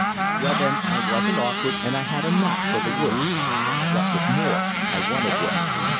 "Well, then, I wasn't awkward, and I had a knack for the work. What was more, I wanted work.